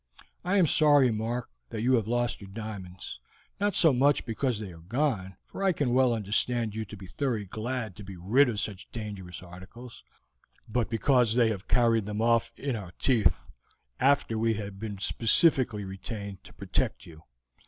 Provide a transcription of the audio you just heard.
I am sorry, Mark, that you have lost your diamonds; not so much because they are gone, for I can well understand you to be thoroughly glad to be rid of such dangerous articles, but because they have carried them off in our teeth, after we have been specially retained to protect you.